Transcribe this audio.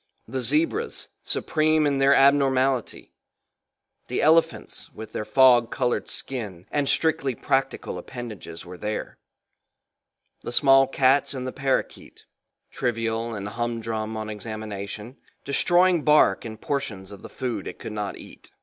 The zebras, supreme in their abnormality; the elephants with their fog colored skin and strictly practical appendages were there, the small cats and the parrakeet trivial and humdrum on examination, destroying bark and portions of the food it could not eat.